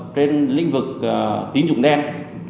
tính vực tín dụng đen